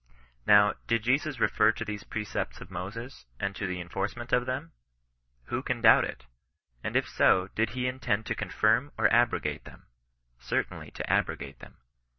Now, did Jesus refer to these precepts of Moses, and to the enforcement of themi Who can doubt it? And if so, did he intend to confirm or to abrogate them ? Certainly to abrogate them.